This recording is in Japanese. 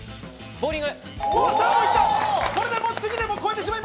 ボーリング。